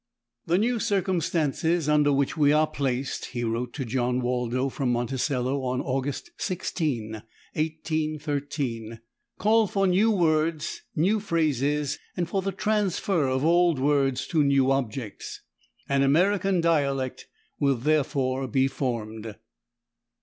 "The new circumstances under which we are placed," he wrote to John Waldo from Monticello on August 16, 1813, "call for new words, new phrases, and for the transfer of old words to new objects. An American dialect will therefore be formed."